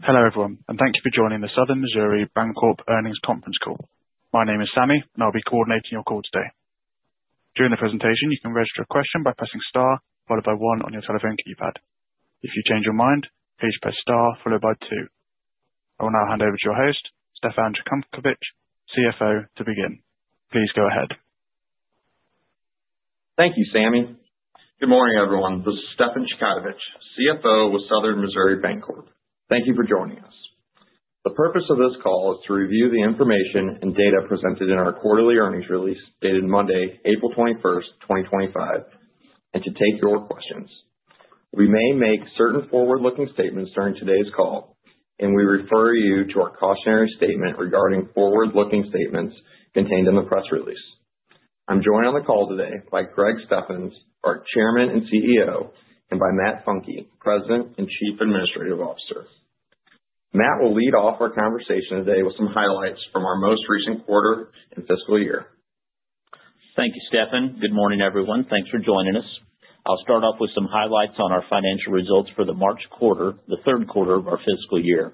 Hello everyone, and thank you for joining the Southern Missouri Bancorp Earnings Conference Call. My name is Sammy, and I'll be coordinating your call today. During the presentation, you can register a question by pressing star followed by one on your telephone keypad. If you change your mind, please press star followed by two. I will now hand over to your host, Stefan Chkautovich, CFO, to begin. Please go ahead. Thank you, Sammy. Good morning, everyone. This is Stefan Chkautovich, CFO with Southern Missouri Bancorp. Thank you for joining us. The purpose of this call is to review the information and data presented in our quarterly earnings release dated Monday, April 21st, 2025, and to take your questions. We may make certain forward-looking statements during today's call, and we refer you to our cautionary statement regarding forward-looking statements contained in the press release. I'm joined on the call today by Greg Steffens, our Chairman and CEO, and by Matt Funke, President and Chief Administrative Officer. Matt will lead off our conversation today with some highlights from our most recent quarter and fiscal year. Thank you, Stefan. Good morning, everyone. Thanks for joining us. I'll start off with some highlights on our financial results for the March quarter, the third quarter of our fiscal year.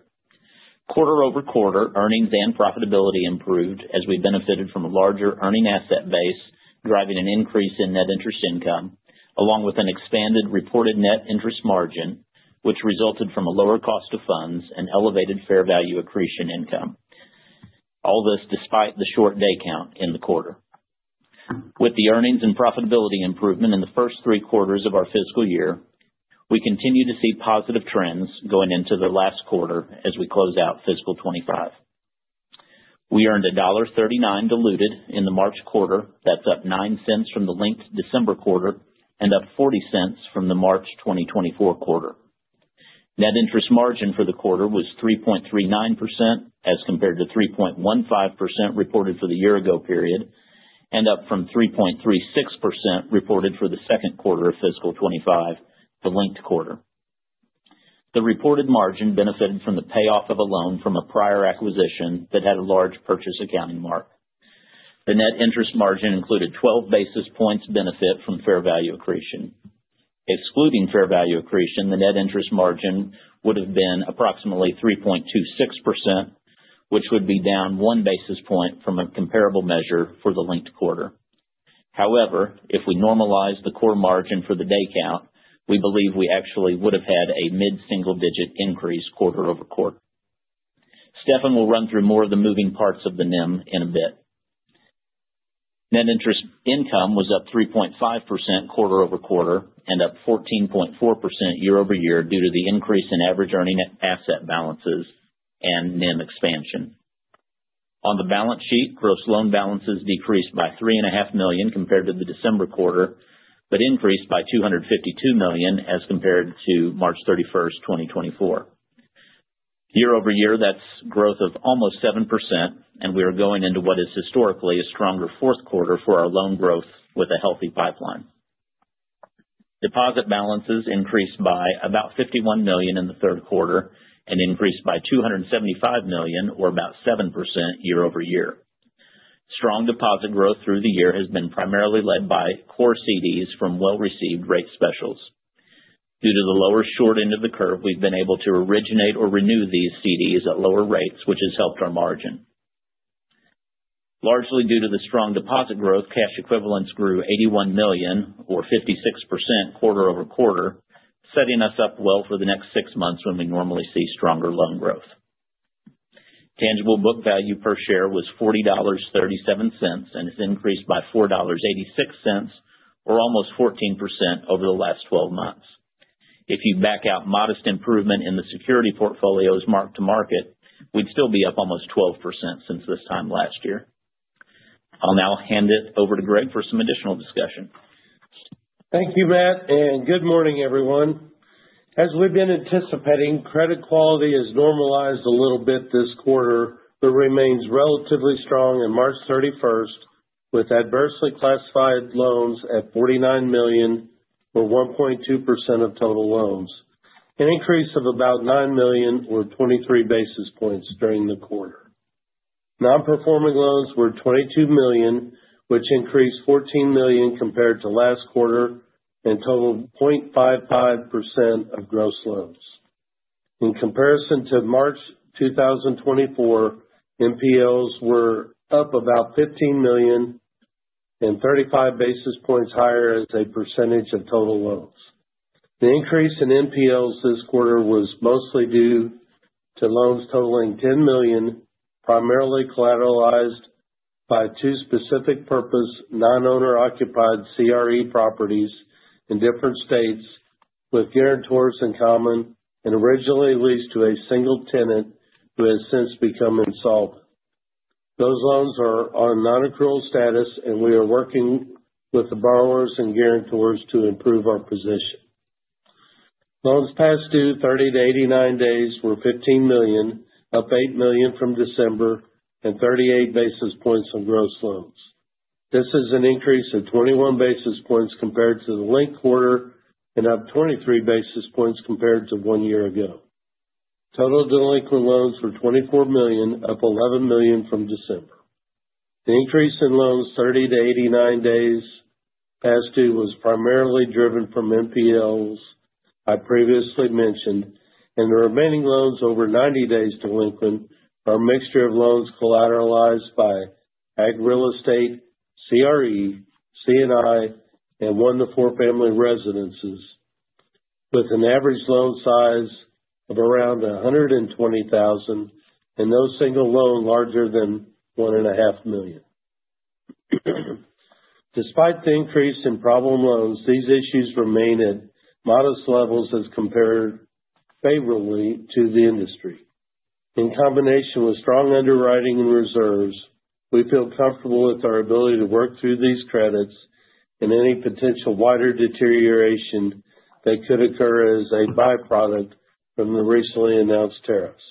Quarter-over-quarter, earnings and profitability improved as we benefited from a larger earning asset base, driving an increase in net interest income, along with an expanded reported net interest margin, which resulted from a lower cost of funds and elevated fair value accretion income. All this despite the short day count in the quarter. With the earnings and profitability improvement in the first three quarters of our fiscal year, we continue to see positive trends going into the last quarter as we close out fiscal 2025. We earned $1.39 diluted in the March quarter. That's up $0.09 from the linked December quarter and up $0.40 from the March 2024 quarter. Net interest margin for the quarter was 3.39% as compared to 3.15% reported for the year-ago period and up from 3.36% reported for the second quarter of fiscal 2025, the linked quarter. The reported margin benefited from the payoff of a loan from a prior acquisition that had a large purchase accounting mark. The net interest margin included 12 basis points benefit from fair value accretion. Excluding fair value accretion, the net interest margin would have been approximately 3.26%, which would be down one basis point from a comparable measure for the linked quarter. However, if we normalize the core margin for the day count, we believe we actually would have had a mid-single-digit increase quarter-over-quarter. Stefan will run through more of the moving parts of the NIM in a bit. Net interest income was up 3.5% quarter-over-quarter and up 14.4% year-over-year due to the increase in average earning asset balances and NIM expansion. On the balance sheet, gross loan balances decreased by $3.5 million compared to the December quarter, but increased by $252 million as compared to March 31, 2024. Year-over-year, that's growth of almost 7%, and we are going into what is historically a stronger fourth quarter for our loan growth with a healthy pipeline. Deposit balances increased by about $51 million in the third quarter and increased by $275 million, or about 7% year-over-year. Strong deposit growth through the year has been primarily led by core CDs from well-received rate specials. Due to the lower short end of the curve, we've been able to originate or renew these CDs at lower rates, which has helped our margin. Largely due to the strong deposit growth, cash equivalents grew $81 million, or 56% quarter-over-quarter, setting us up well for the next six months when we normally see stronger loan growth. Tangible book value per share was $40.37 and has increased by $4.86, or almost 14% over the last 12 months. If you back out modest improvement in the security portfolios marked to market, we'd still be up almost 12% since this time last year. I'll now hand it over to Greg for some additional discussion. Thank you, Matt, and good morning, everyone. As we've been anticipating, credit quality has normalized a little bit this quarter, but remains relatively strong in March 31st, with adversely classified loans at $49 million, or 1.2% of total loans, an increase of about $9 million, or 23 basis points, during the quarter. Non-performing loans were $22 million, which increased $14 million compared to last quarter and totaled 0.55% of gross loans. In comparison to March 2024, non-performing loans were up about $15 million and 35 basis points higher as a percentage of total loans. The increase in non-performing loans this quarter was mostly due to loans totaling $10 million, primarily collateralized by two specific-purpose non-owner occupied CRE properties in different states with guarantors in common and originally leased to a single tenant who has since become insolvent. Those loans are on non-accrual status, and we are working with the borrowers and guarantors to improve our position. Loans past due 30-89 days were $15 million, up $8 million from December, and 38 basis points on gross loans. This is an increase of 21 basis points compared to the linked quarter and up 23 basis points compared to one year ago. Total delinquent loans were $24 million, up $11 million from December. The increase in loans 30-89 days past due was primarily driven from NPLs I previously mentioned, and the remaining loans over 90 days delinquent are a mixture of loans collateralized by Ag real estate, CRE, C&I, and one-to-four family residences, with an average loan size of around $120,000 and no single loan larger than $1.5 million. Despite the increase in problem loans, these issues remain at modest levels as compared favorably to the industry. In combination with strong underwriting and reserves, we feel comfortable with our ability to work through these credits and any potential wider deterioration that could occur as a byproduct from the recently announced tariffs.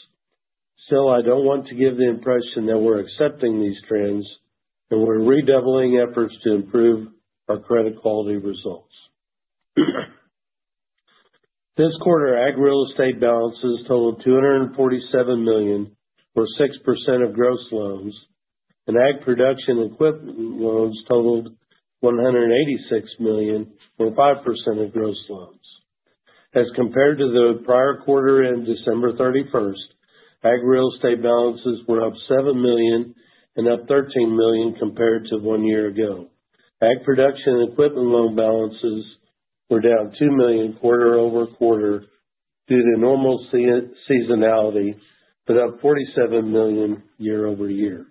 Still, I don't want to give the impression that we're accepting these trends and we're redoubling efforts to improve our credit quality results. This quarter, Ag real estate balances totaled $247 million, or 6% of gross loans, and Ag production equipment loans totaled $186 million, or 5% of gross loans. As compared to the prior quarter and December 31st, Ag real estate balances were up $7 million and up $13 million compared to one year ago. Ag production equipment loan balances were down $2 million quarter-over-quarter due to normal seasonality, but up $47 million year-over-year.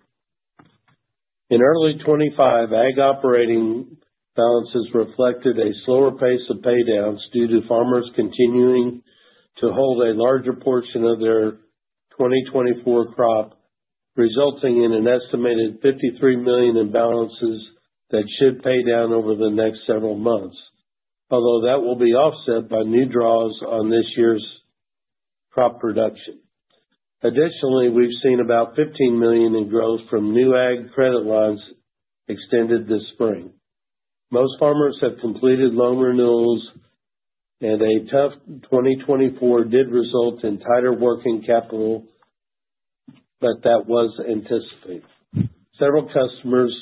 In early 2025, Ag operating balances reflected a slower pace of paydowns due to farmers continuing to hold a larger portion of their 2024 crop, resulting in an estimated $53 million in balances that should pay down over the next several months, although that will be offset by new draws on this year's crop production. Additionally, we've seen about $15 million in growth from new Ag credit lines extended this spring. Most farmers have completed loan renewals, and a tough 2024 did result in tighter working capital, but that was anticipated. Several customers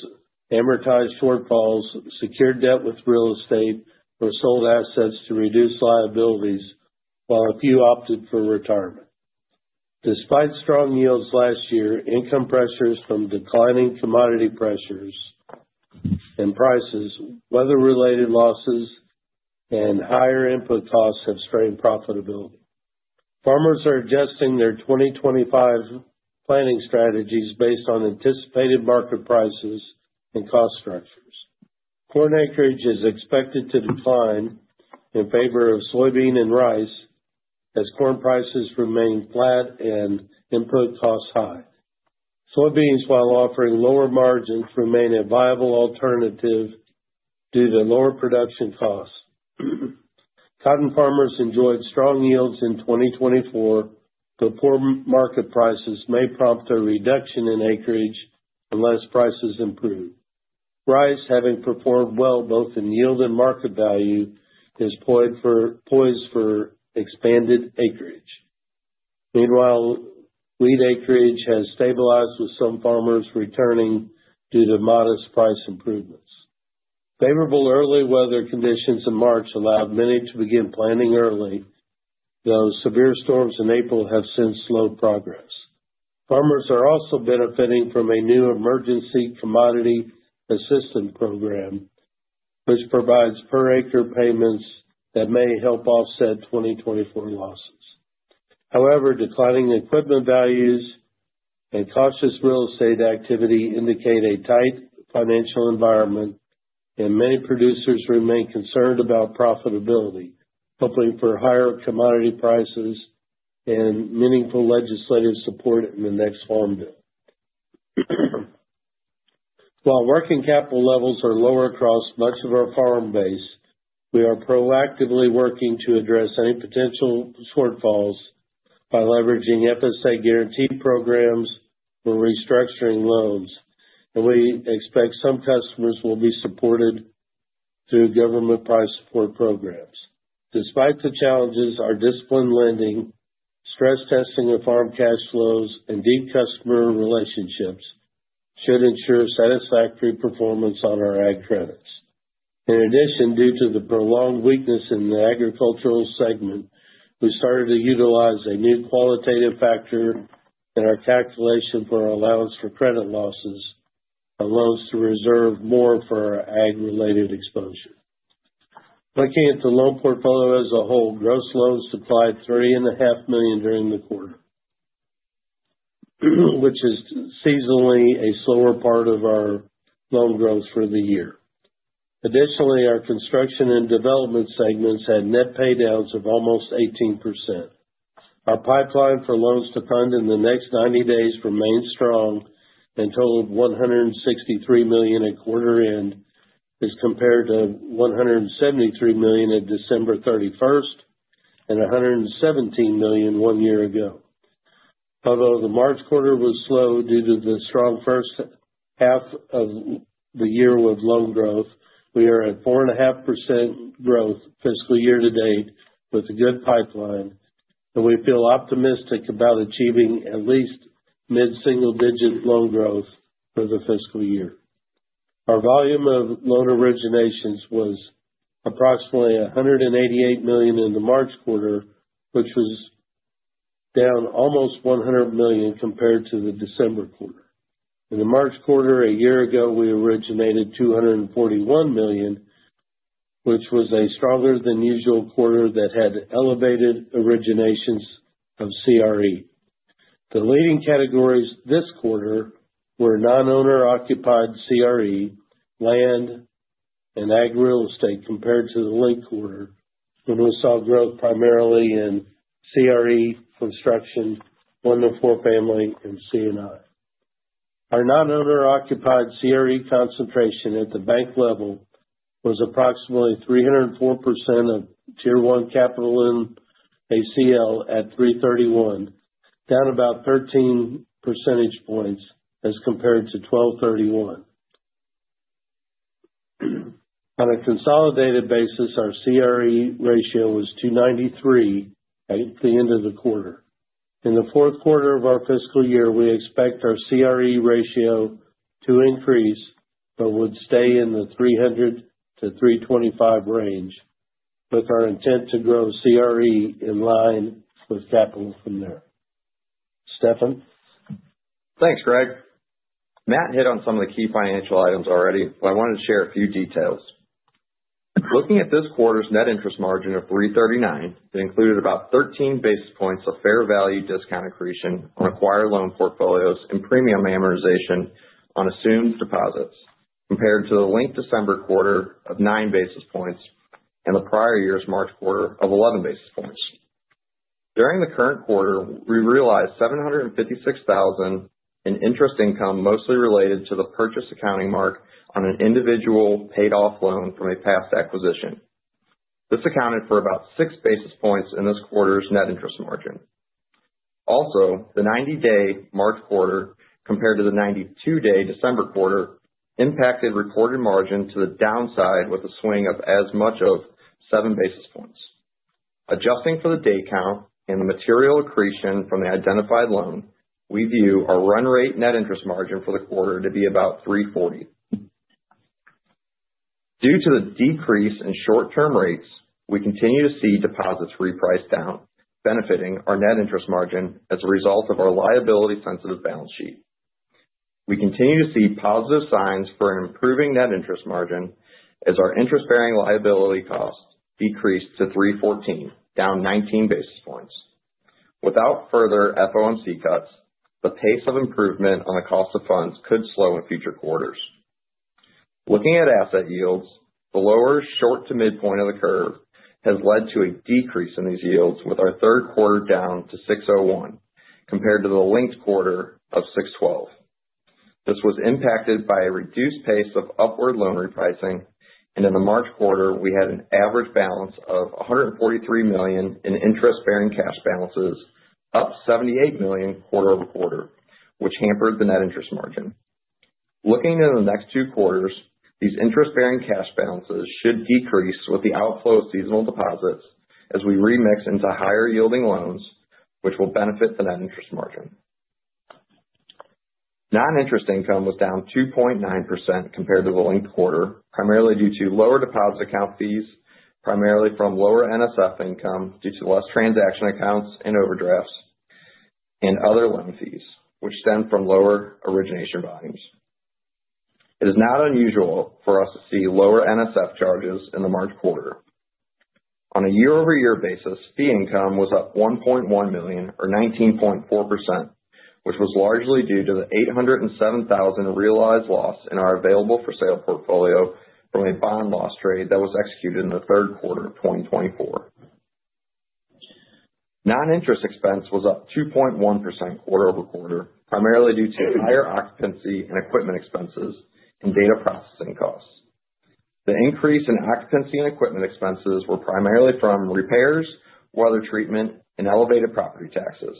amortized shortfalls, secured debt with real estate, or sold assets to reduce liabilities, while a few opted for retirement. Despite strong yields last year, income pressures from declining commodity prices, weather-related losses, and higher input costs have strained profitability. Farmers are adjusting their 2025 planning strategies based on anticipated market prices and cost structures. Corn acreage is expected to decline in favor of soybean and rice as corn prices remain flat and input costs high. Soybeans, while offering lower margins, remain a viable alternative due to lower production costs. Cotton farmers enjoyed strong yields in 2024, but poor market prices may prompt a reduction in acreage unless prices improve. Rice, having performed well both in yield and market value, is poised for expanded acreage. Meanwhile, wheat acreage has stabilized, with some farmers returning due to modest price improvements. Favorable early weather conditions in March allowed many to begin planting early, though severe storms in April have since slowed progress. Farmers are also benefiting from a new Emergency Commodity Assistance Program, which provides per-acre payments that may help offset 2024 losses. However, declining equipment values and cautious real estate activity indicate a tight financial environment, and many producers remain concerned about profitability, hoping for higher commodity prices and meaningful legislative support in the next farm bill. While working capital levels are lower across much of our farm base, we are proactively working to address any potential shortfalls by leveraging FSA-guaranteed programs for restructuring loans, and we expect some customers will be supported through government price support programs. Despite the challenges, our disciplined lending, stress testing of farm cash flows, and deep customer relationships should ensure satisfactory performance on our Ag credits. In addition, due to the prolonged weakness in the agricultural segment, we started to utilize a new qualitative factor in our calculation for our allowance for credit losses on loans to reserve more for our ag-related exposure. Looking at the loan portfolio as a whole, gross loans supplied $3.5 million during the quarter, which is seasonally a slower part of our loan growth for the year. Additionally, our construction and development segments had net paydowns of almost 18%. Our pipeline for loans to fund in the next 90 days remains strong and totaled $163 million at quarter end as compared to $173 million at December 31st and $117 million one year ago. Although the March quarter was slow due to the strong first half of the year with loan growth, we are at 4.5% growth fiscal year to date with a good pipeline, and we feel optimistic about achieving at least mid-single-digit loan growth for the fiscal year. Our volume of loan originations was approximately $188 million in the March quarter, which was down almost $100 million compared to the December quarter. In the March quarter a year ago, we originated $241 million, which was a stronger-than-usual quarter that had elevated originations of CRE. The leading categories this quarter were non-owner-occupied CRE, land, and Ag real estate compared to the linked quarter, when we saw growth primarily in CRE, construction, one-to-four family, and C&I. Our non-owner-occupied CRE concentration at the bank level was approximately 304% of tier-one capital and ACL at 331%, down about 13 percentage points as compared to 12/31. On a consolidated basis, our CRE ratio was 293 at the end of the quarter. In the fourth quarter of our fiscal year, we expect our CRE ratio to increase but would stay in the 300-325 range, with our intent to grow CRE in line with capital from there. Stefan? Thanks, Greg. Matt hit on some of the key financial items already, but I wanted to share a few details. Looking at this quarter's net interest margin of 339, it included about 13 basis points of fair value discount accretion on acquired loan portfolios and premium amortization on assumed deposits, compared to the linked December quarter of 9 basis points and the prior year's March quarter of 11 basis points. During the current quarter, we realized $756,000 in interest income mostly related to the purchase accounting mark on an individual paid-off loan from a past acquisition. This accounted for about 6 basis points in this quarter's net interest margin. Also, the 90-day March quarter, compared to the 92-day December quarter, impacted reported margin to the downside with a swing of as much as 7 basis points. Adjusting for the day count and the material accretion from the identified loan, we view our run-rate net interest margin for the quarter to be about 340. Due to the decrease in short-term rates, we continue to see deposits repriced down, benefiting our net interest margin as a result of our liability-sensitive balance sheet. We continue to see positive signs for an improving net interest margin as our interest-bearing liability costs decreased to 314, down 19 basis points. Without further FOMC cuts, the pace of improvement on the cost of funds could slow in future quarters. Looking at asset yields, the lower short-to-mid point of the curve has led to a decrease in these yields, with our third quarter down to 601 compared to the linked quarter of 612. This was impacted by a reduced pace of upward loan repricing, and in the March quarter, we had an average balance of $143 million in interest-bearing cash balances, up $78 million quarter-over-quarter, which hampered the net interest margin. Looking into the next two quarters, these interest-bearing cash balances should decrease with the outflow of seasonal deposits as we remix into higher-yielding loans, which will benefit the net interest margin. Non-interest income was down 2.9% compared to the linked quarter, primarily due to lower deposit account fees, primarily from lower NSF income due to less transaction accounts and overdrafts, and other loan fees, which stem from lower origination volumes. It is not unusual for us to see lower NSF charges in the March quarter. On a year-over-year basis, fee income was up $1.1 million, or 19.4%, which was largely due to the $807,000 realized loss in our available-for-sale portfolio from a bond loss trade that was executed in the third quarter of 2024. Non-interest expense was up 2.1% quarter-over-quarter, primarily due to higher occupancy and equipment expenses and data processing costs. The increase in occupancy and equipment expenses was primarily from repairs, weather treatment, and elevated property taxes.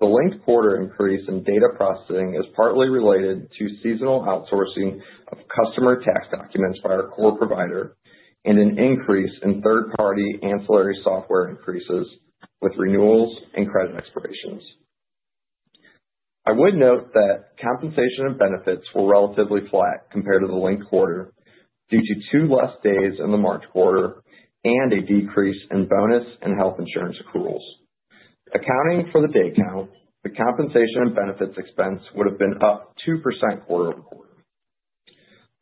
The linked quarter increase in data processing is partly related to seasonal outsourcing of customer tax documents by our core provider and an increase in third-party ancillary software increases with renewals and credit expirations. I would note that compensation and benefits were relatively flat compared to the linked quarter due to two less days in the March quarter and a decrease in bonus and health insurance accruals. Accounting for the day count, the compensation and benefits expense would have been up 2% quarter-over-quarter.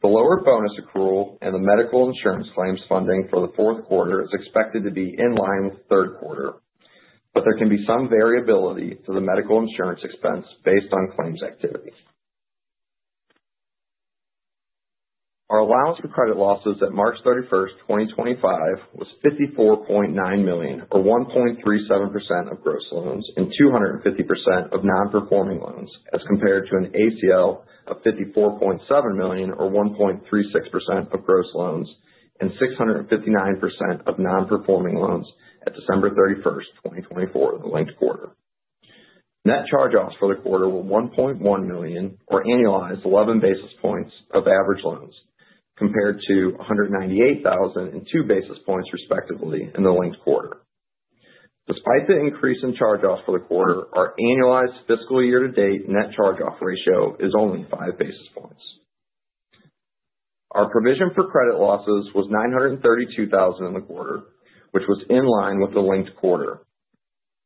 The lower bonus accrual and the medical insurance claims funding for the fourth quarter is expected to be in line with the third quarter, but there can be some variability to the medical insurance expense based on claims activity. Our allowance for credit losses at March 31st, 2025, was $54.9 million, or 1.37% of gross loans and 250% of non-performing loans, as compared to an ACL of $54.7 million, or 1.36% of gross loans and 659% of non-performing loans at December 31st, 2024, in the linked quarter. Net charge-offs for the quarter were $1.1 million, or annualized 11 basis points of average loans, compared to $198,000 and 2 basis points, respectively, in the linked quarter. Despite the increase in charge-offs for the quarter, our annualized fiscal year-to-date net charge-off ratio is only 5 basis points. Our provision for credit losses was $932,000 in the quarter, which was in line with the linked quarter.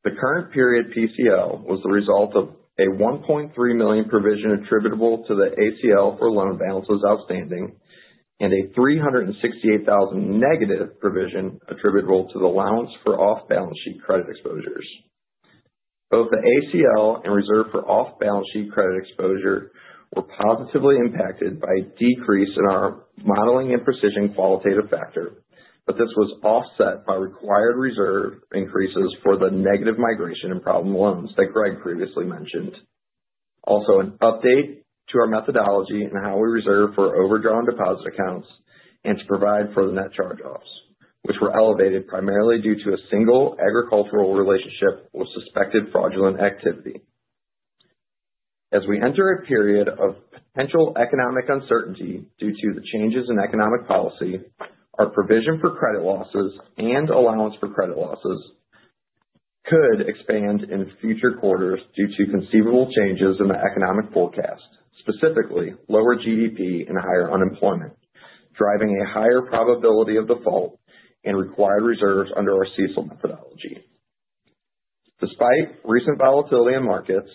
The current period PCL was the result of a $1.3 million provision attributable to the ACL for loan balances outstanding and a $368,000 negative provision attributable to the allowance for off-balance sheet credit exposures. Both the ACL and reserve for off-balance sheet credit exposure were positively impacted by a decrease in our modeling and precision qualitative factor, but this was offset by required reserve increases for the negative migration and problem loans that Greg previously mentioned. Also, an update to our methodology in how we reserve for overdrawn deposit accounts and to provide for the net charge-offs, which were elevated primarily due to a single agricultural relationship with suspected fraudulent activity. As we enter a period of potential economic uncertainty due to the changes in economic policy, our provision for credit losses and allowance for credit losses could expand in future quarters due to conceivable changes in the economic forecast, specifically lower GDP and higher unemployment, driving a higher probability of default and required reserves under our CECL methodology. Despite recent volatility in markets,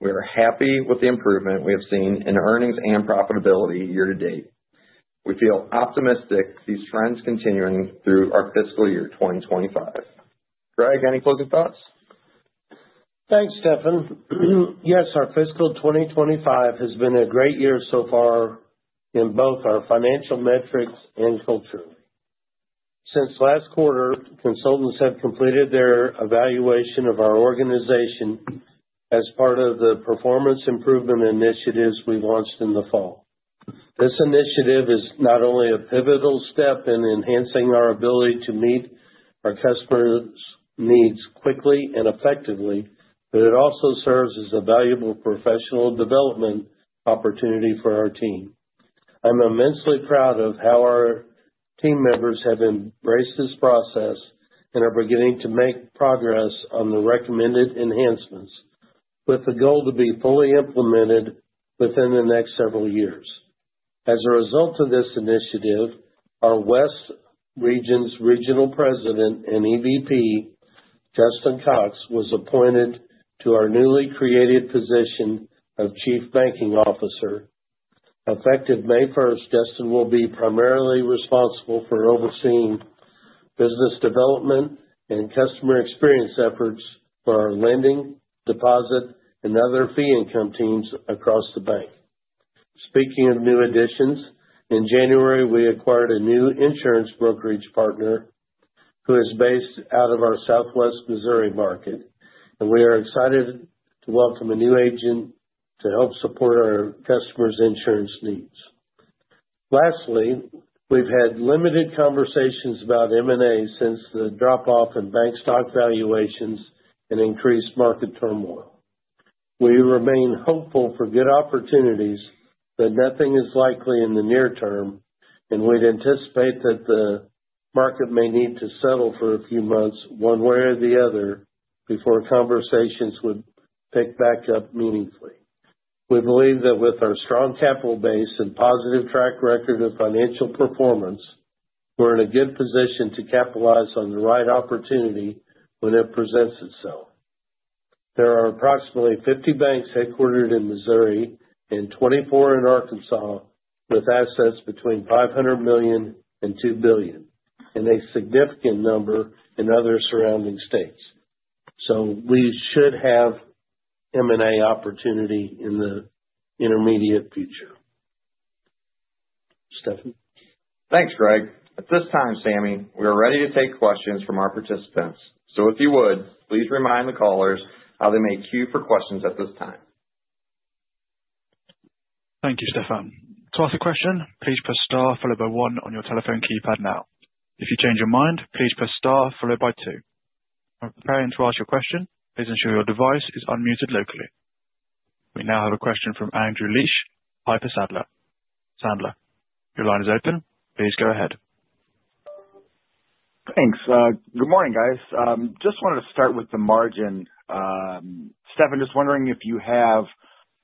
we are happy with the improvement we have seen in earnings and profitability year to date. We feel optimistic these trends continuing through our fiscal year 2025. Greg, any closing thoughts? Thanks, Stefan. Yes, our fiscal 2025 has been a great year so far in both our financial metrics and culturally. Since last quarter, consultants have completed their evaluation of our organization as part of the performance improvement initiatives we launched in the fall. This initiative is not only a pivotal step in enhancing our ability to meet our customers' needs quickly and effectively, but it also serves as a valuable professional development opportunity for our team. I'm immensely proud of how our team members have embraced this process and are beginning to make progress on the recommended enhancements, with the goal to be fully implemented within the next several years. As a result of this initiative, our West Region's Regional President and EVP, Justin Cox, was appointed to our newly created position of Chief Banking Officer. Effective May 1st, Justin will be primarily responsible for overseeing business development and customer experience efforts for our lending, deposit, and other fee income teams across the bank. Speaking of new additions, in January, we acquired a new insurance brokerage partner who is based out of our Southwest Missouri market, and we are excited to welcome a new agent to help support our customers' insurance needs. Lastly, we've had limited conversations about M&A since the drop-off in bank stock valuations and increased market turmoil. We remain hopeful for good opportunities, but nothing is likely in the near term, and we'd anticipate that the market may need to settle for a few months one way or the other before conversations would pick back up meaningfully. We believe that with our strong capital base and positive track record of financial performance, we're in a good position to capitalize on the right opportunity when it presents itself. There are approximately 50 banks headquartered in Missouri and 24 in Arkansas, with assets between $500 million and $2 billion, and a significant number in other surrounding states. We should have M&A opportunity in the intermediate future. Stefan? Thanks, Greg. At this time, Sammy, we are ready to take questions from our participants. If you would, please remind the callers how they may queue for questions at this time. Thank you, Stefan. To ask a question, please press star followed by one on your telephone keypad now. If you change your mind, please press star followed by two. When preparing to ask your question, please ensure your device is unmuted locally. We now have a question from Andrew Liesch, Piper Sandler. Andrew your line is open. Please go ahead. Thanks. Good morning, guys. Just wanted to start with the margin. Stefan, just wondering if you have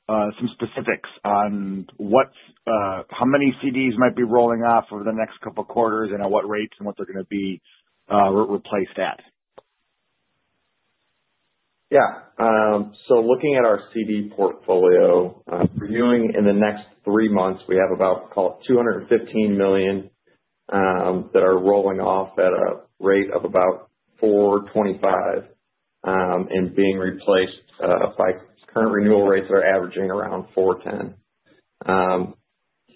some specifics on how many CDs might be rolling off over the next couple of quarters and at what rates and what they're going to be replaced at. Yeah. Looking at our CD portfolio, reviewing in the next three months, we have about, call it, $215 million that are rolling off at a rate of about 4.25% and being replaced by current renewal rates that are averaging around 4.10%.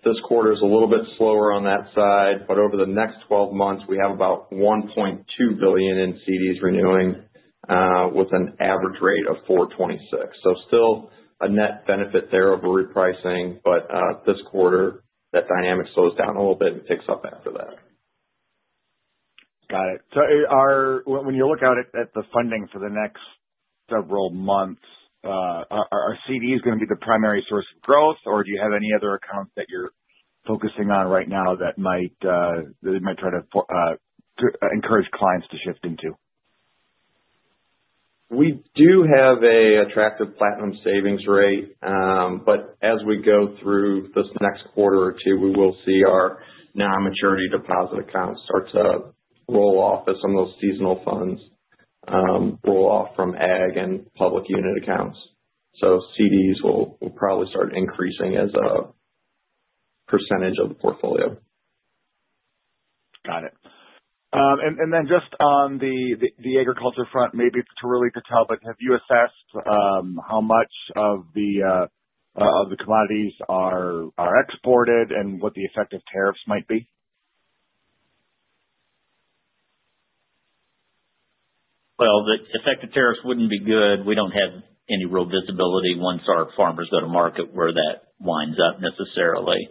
This quarter is a little bit slower on that side, but over the next 12 months, we have about $1.2 billion in CDs renewing with an average rate of 4.26%. Still a net benefit there of repricing, but this quarter, that dynamic slows down a little bit and picks up after that. Got it. When you look at the funding for the next several months, are CDs going to be the primary source of growth, or do you have any other accounts that you're focusing on right now that they might try to encourage clients to shift into? We do have an attractive platinum savings rate, but as we go through this next quarter or two, we will see our non-maturity deposit accounts start to roll off as some of those seasonal funds roll off from Ag and public unit accounts. CDs will probably start increasing as a percentage of the portfolio. Got it. Just on the agriculture front, maybe it's too early to tell, but have you assessed how much of the commodities are exported and what the effective tariffs might be? The effective tariffs wouldn't be good. We don't have any real visibility once our farmers go to market where that winds up necessarily.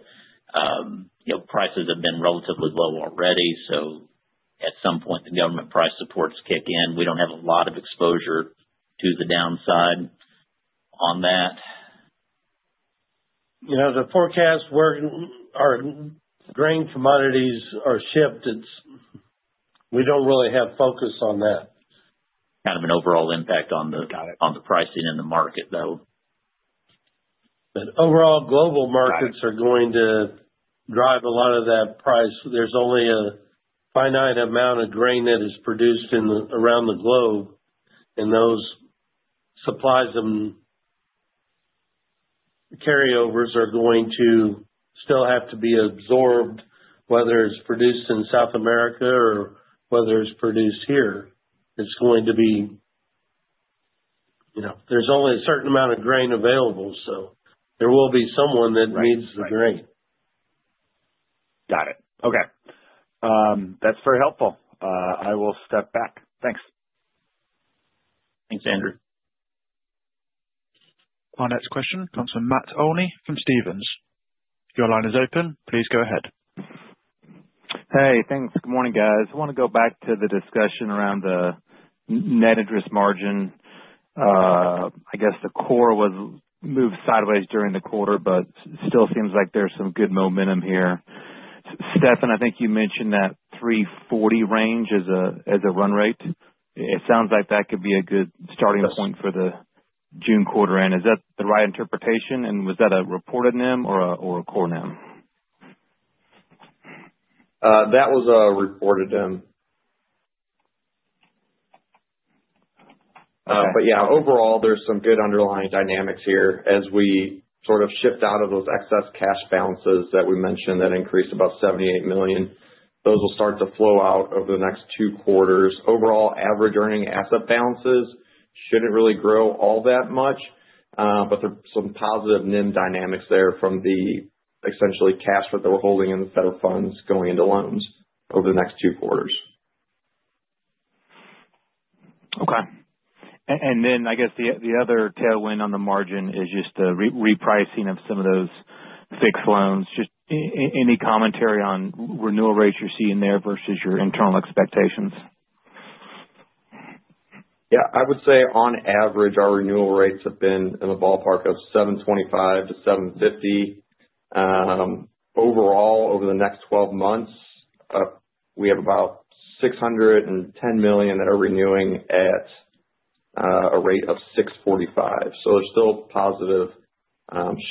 Prices have been relatively low already, so at some point, the government price supports kick in. We don't have a lot of exposure to the downside on that. Yeah, the forecast where our grain commodities are shipped, we don't really have focus on that. Kind of an overall impact on the pricing in the market, though. Overall, global markets are going to drive a lot of that price. There's only a finite amount of grain that is produced around the globe, and those supplies and carryovers are going to still have to be absorbed, whether it's produced in South America or whether it's produced here. There's only a certain amount of grain available, so there will be someone that needs the grain. Got it. Okay. That's very helpful. I will step back. Thanks. Thanks, Andrew. Our next question comes from Matt Olney from Stephens. Your line is open. Please go ahead. Hey, thanks. Good morning, guys. I want to go back to the discussion around the net interest margin. I guess the core was moved sideways during the quarter, but it still seems like there's some good momentum here. Stefan, I think you mentioned that 340 range as a run rate. It sounds like that could be a good starting point for the June quarter end. Is that the right interpretation, and was that a reported NIM or a core NIM? That was a reported NIM. Yeah, overall, there's some good underlying dynamics here as we sort of shift out of those excess cash balances that we mentioned that increased about $78 million. Those will start to flow out over the next two quarters. Overall, average earning asset balances shouldn't really grow all that much, but there are some positive NIM dynamics there from the essentially cash that they were holding in the federal funds going into loans over the next two quarters. Okay. I guess the other tailwind on the margin is just the repricing of some of those fixed loans. Just any commentary on renewal rates you're seeing there versus your internal expectations? Yeah. I would say on average, our renewal rates have been in the ballpark of 725-750. Overall, over the next 12 months, we have about $610 million that are renewing at a rate of 645. There is still a positive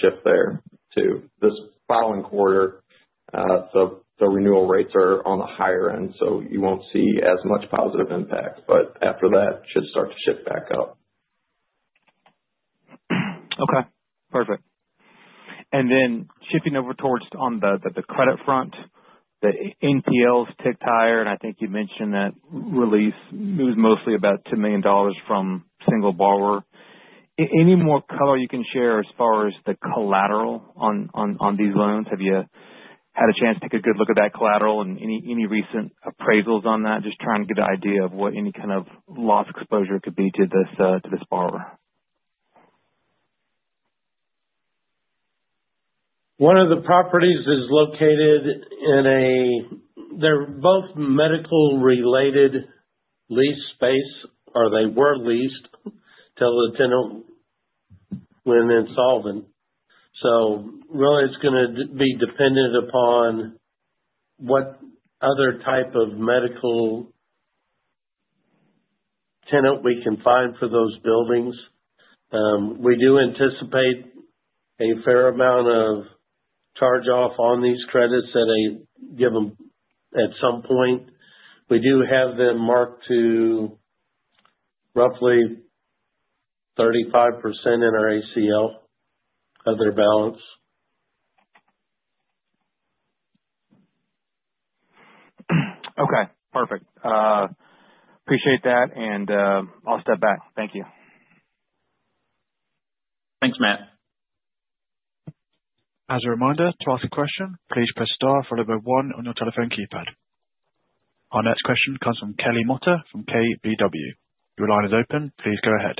shift there too. This following quarter, the renewal rates are on the higher end, so you will not see as much positive impact, but after that, it should start to shift back up. Okay. Perfect. Shifting over towards on the credit front, the NPLs ticked higher, and I think you mentioned that release was mostly about $2 million from a single borrower. Any more color you can share as far as the collateral on these loans? Have you had a chance to take a good look at that collateral and any recent appraisals on that? Just trying to get an idea of what any kind of loss exposure could be to this borrower. One of the properties is located in a, they're both medical-related lease space, or they were leased till the tenant went insolvent. Really, it's going to be dependent upon what other type of medical tenant we can find for those buildings. We do anticipate a fair amount of charge-off on these credits that are given at some point. We do have them marked to roughly 35% in our ACL of their balance. Okay. Perfect. Appreciate that, and I'll step back. Thank you. Thanks, Matt. As a reminder, to ask a question, please press star followed by one on your telephone keypad. Our next question comes from Kelly Motta from KBW. Your line is open. Please go ahead.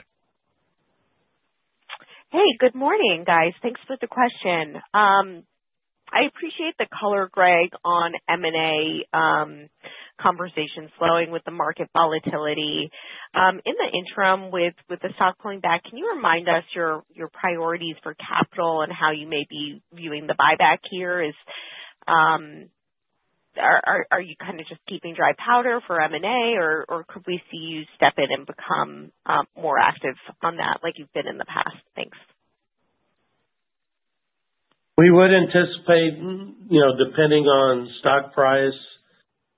Hey, good morning, guys. Thanks for the question. I appreciate the color, Greg, on M&A conversations flowing with the market volatility. In the interim, with the stock going back, can you remind us your priorities for capital and how you may be viewing the buyback here? Are you kind of just keeping dry powder for M&A, or could we see you step in and become more active on that like you've been in the past? Thanks. We would anticipate, depending on stock price,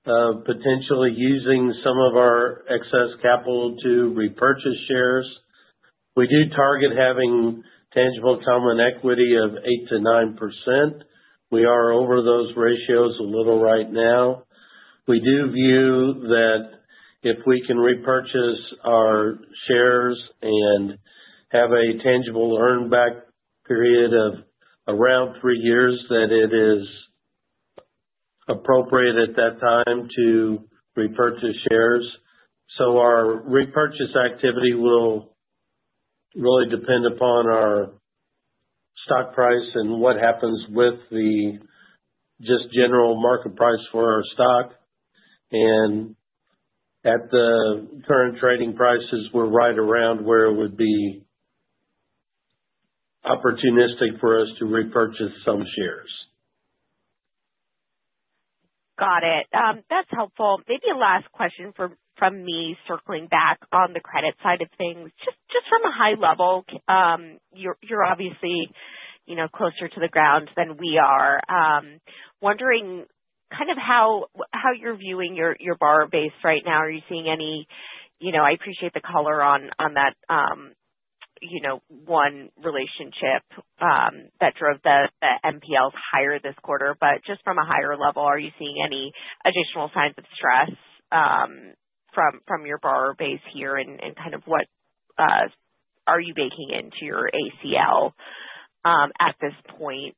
potentially using some of our excess capital to repurchase shares. We do target having tangible common equity of 8%-9%. We are over those ratios a little right now. We do view that if we can repurchase our shares and have a tangible earnback period of around three years, that it is appropriate at that time to repurchase shares. Our repurchase activity will really depend upon our stock price and what happens with the just general market price for our stock. At the current trading prices, we're right around where it would be opportunistic for us to repurchase some shares. Got it. That's helpful. Maybe a last question from me circling back on the credit side of things. Just from a high level, you're obviously closer to the ground than we are. Wondering kind of how you're viewing your borrower base right now. Are you seeing any? I appreciate the color on that one relationship that drove the MPLs higher this quarter, but just from a higher level, are you seeing any additional signs of stress from your borrower base here and kind of what are you baking into your ACL at this point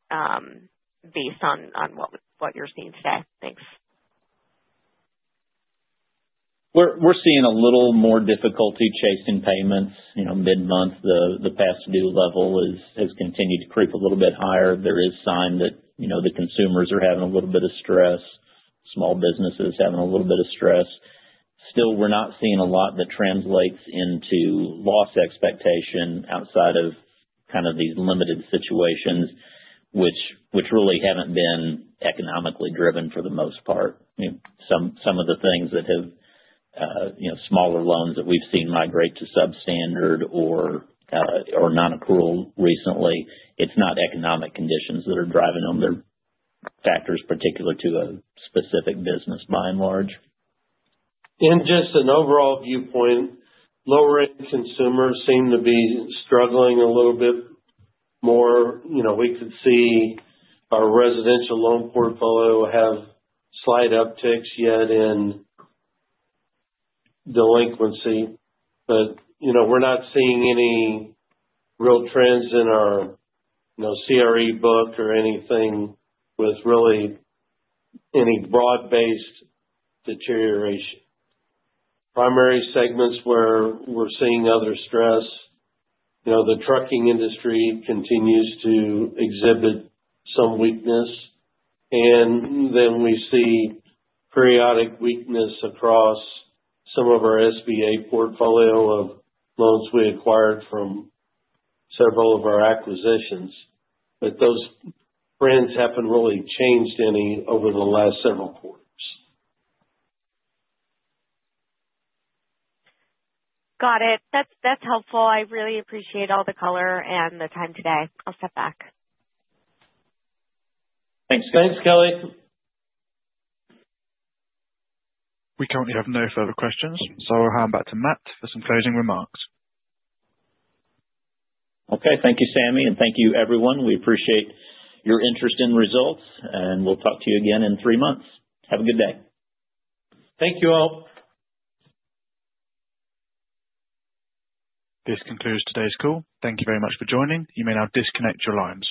based on what you're seeing today? Thanks. We're seeing a little more difficulty chasing payments mid-month. The past due level has continued to creep a little bit higher. There is sign that the consumers are having a little bit of stress, small businesses having a little bit of stress. Still, we're not seeing a lot that translates into loss expectation outside of kind of these limited situations, which really haven't been economically driven for the most part. Some of the things that have smaller loans that we've seen migrate to substandard or non-accrual recently, it's not economic conditions that are driving them. They're factors particular to a specific business by and large. Just an overall viewpoint, lower-income consumers seem to be struggling a little bit more. We could see our residential loan portfolio have slight upticks yet in delinquency, but we're not seeing any real trends in our CRE book or anything with really any broad-based deterioration. Primary segments where we're seeing other stress, the trucking industry continues to exhibit some weakness, and then we see periodic weakness across some of our SBA portfolio of loans we acquired from several of our acquisitions. Those trends haven't really changed any over the last several quarters. Got it. That's helpful. I really appreciate all the color and the time today. I'll step back. Thanks. Thanks, Kelly. We currently have no further questions, so I'll hand back to Matt for some closing remarks. Okay. Thank you, Sammy, and thank you, everyone. We appreciate your interest in results, and we'll talk to you again in three months. Have a good day. Thank you all. This concludes today's call. Thank you very much for joining. You may now disconnect your lines.